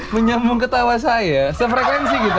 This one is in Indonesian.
menyambung ketawa saya sefrekuensi gitu